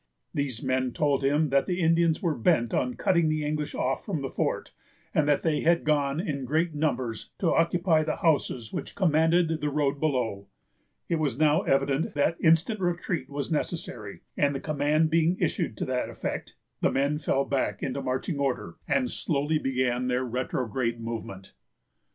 These men told him that the Indians were bent on cutting off the English from the fort, and that they had gone in great numbers to occupy the houses which commanded the road below. It was now evident that instant retreat was necessary; and the command being issued to that effect, the men fell back into marching order, and slowly began their retrograde movement.